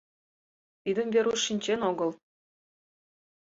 Тидым Веруш шинчен огыл.